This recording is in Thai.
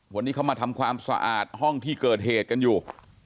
วันนี้เขามาทำความสะอาดห้องที่เกิดเหตุกันอยู่